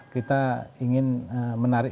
kita ingin menarik